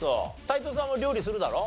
斎藤さんは料理するだろ？